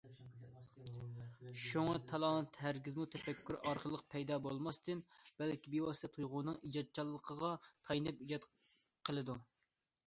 شۇڭا تالانت ھەرگىزمۇ تەپەككۇر ئارقىلىق پەيدا بولماستىن، بەلكى بىۋاسىتە تۇيغۇنىڭ ئىجادچانلىقىغا تايىنىپ ئىجاد قىلىدۇ.